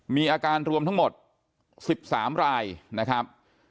มีอาการรวมทั้งหมด๑๓รายนะครับ